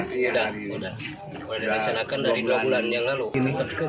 sudah dilaksanakan dari dua bulan yang lalu